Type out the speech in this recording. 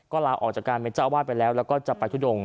ก็ลาออกจากการเมียชาวบ้านไปแล้วแล้วก็จะไปทุดง